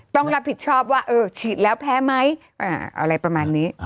ต้องรับผิดชอบว่าเออฉีดแล้วแพ้ไหมอะไรประมาณนี้